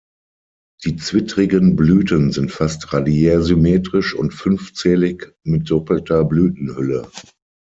Die zwittrigen Blüten sind fast radiärsymmetrisch und fünfzählig mit doppelter Blütenhülle.